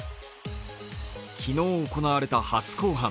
昨日行われた初公判。